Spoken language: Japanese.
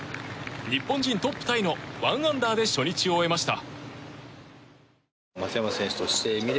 日本人トップタイの１アンダーで初日を終えました。